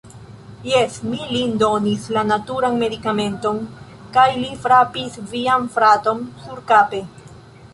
Jes, mi lin donis la naturan medikamenton. Kaj li frapis vian fraton surkape.